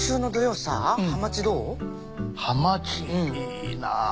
いいな。